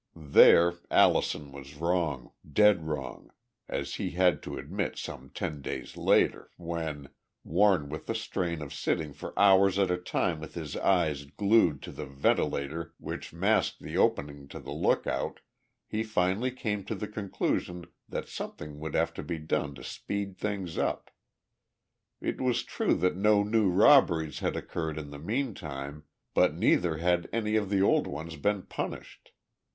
There Allison was wrong, dead wrong as he had to admit some ten days later, when, worn with the strain of sitting for hours at a time with his eyes glued to the ventilator which masked the opening to the lookout, he finally came to the conclusion that something would have to be done to speed things up. It was true that no new robberies had occurred in the meantime, but neither had any of the old ones been punished.